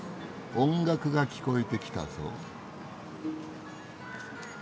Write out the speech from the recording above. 音楽が聞こえてきたぞ。